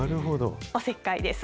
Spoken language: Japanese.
おせっかいです。